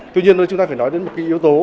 tuy nhiên chúng ta phải nói đến một cái yếu tố